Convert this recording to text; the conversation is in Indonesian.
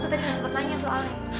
aku tadi gak sempet tanya soalnya